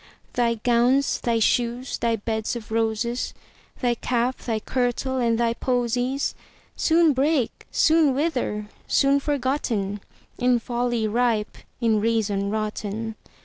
Thy gowns, thy shoes, thy beds of roses, Thy cap, thy kirtle, and thy posies, Soon break, soon wither—soon forgotten, In folly ripe, in reason rotten.